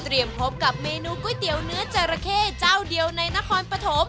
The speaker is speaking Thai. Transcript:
พบกับเมนูก๋วยเตี๋ยวเนื้อจราเข้เจ้าเดียวในนครปฐม